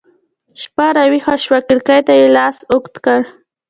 شپه راویښه شوه کړکۍ ته يې لاس اوږد کړ